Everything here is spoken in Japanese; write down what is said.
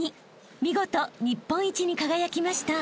［見事日本一に輝きました］